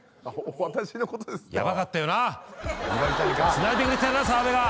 つないでくれてたよな澤部が。